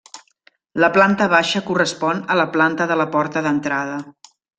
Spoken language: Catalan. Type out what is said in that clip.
La planta baixa correspon a la planta de la porta d'entrada.